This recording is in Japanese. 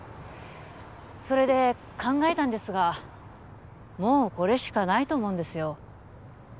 それで考えたんですがもうこれしかないと思うんですよ